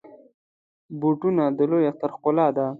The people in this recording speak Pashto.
بوټونه د لوی اختر ښکلا ده.